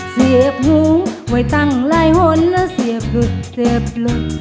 เสียบหูไว้ตั้งหลายหนแล้วเสียบหลุดเสียบหลุด